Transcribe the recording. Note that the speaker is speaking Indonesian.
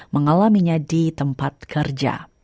mengalaminya di tempat kerja